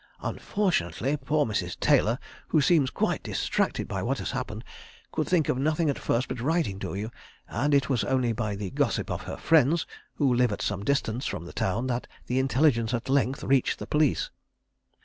Unfortunately, poor Mrs. Taylor who seems quite distracted by what has happened could think of nothing at first but writing to you, and it was only by the gossip of her friends, who live at some distance from the town, that the intelligence at length reached the police.